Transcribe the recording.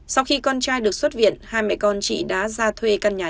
sau khi con trai được xuất viện hai mẹ con chị đã ra thuê căn nhà